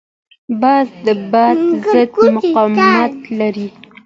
باز د باد ضد مقاومت لري